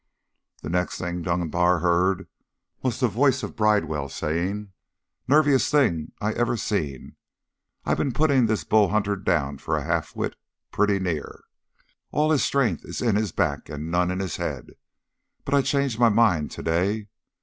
The next thing Dunbar heard was the voice of Bridewell saying, "Nerviest thing I ever seen. I been putting this Bull Hunter down for a half wit, pretty near. All his strength in his back and none in his head. But I changed my mind today.